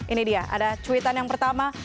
ini dia ada cuitan yang pertama